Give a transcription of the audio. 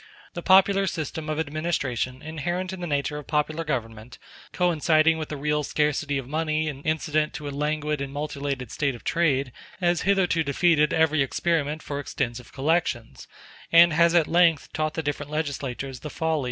The popular system of administration inherent in the nature of popular government, coinciding with the real scarcity of money incident to a languid and mutilated state of trade, has hitherto defeated every experiment for extensive collections, and has at length taught the different legislatures the folly of attempting them."